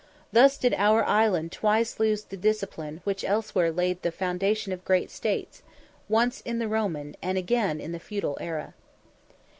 Thus did our Island twice lose the discipline which elsewhere laid the foundation of great states: once in the Roman, and again in the Feudal era.